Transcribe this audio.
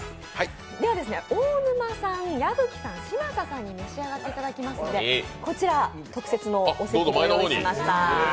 では大沼さん、矢吹さん、嶋佐さんに召し上がっていただきますのでこちら、特設のお席を用意しました。